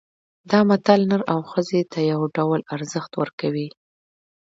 دا متل نر او ښځې ته یو ډول ارزښت ورکوي